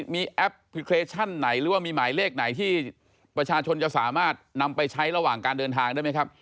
มีแอปพลิเคชันไหนหรือว่ามีหมายเลขไหนที่ประชาชนจะสามารถนำไปใช้ระหว่างการเดินทางได้ไหมครับ